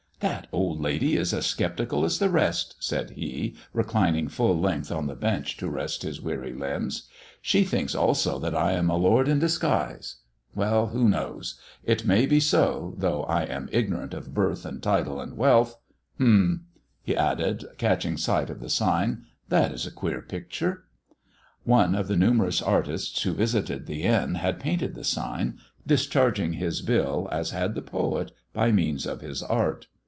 "That old lady is as sceptical as the rest," said he, reclining full length on the bench to rest his weary limbs. " She thinks also that I am a lord in disguise. "Well, who knows 1 It may be so, though I am ignorant of birth and title and wealth. Humph !" he added, catching sight of the sign, "that is a queer picture.'* One of the numerous artists who visited the inn had painted the sign, discharging his bill, as had the poet, by means of his art.